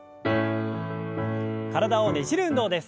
体をねじる運動です。